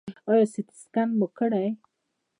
ایا سټي سکن مو کړی دی؟